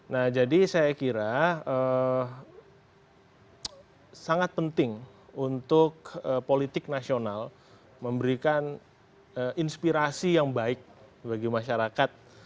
nah jadi saya kira sangat penting untuk politik nasional memberikan inspirasi yang baik bagi masyarakat